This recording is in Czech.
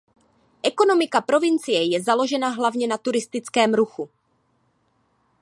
Ekonomika provincie je založena hlavně na turistickém ruchu.